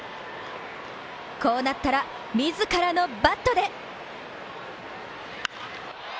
こうなったら、自らのバットで！